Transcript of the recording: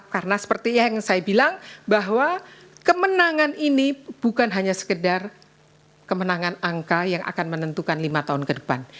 karena seperti yang saya bilang bahwa kemenangan ini bukan hanya sekedar kemenangan angka yang akan menentukan lima tahun ke depan